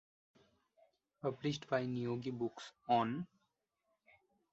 Published by Niyogi Books on.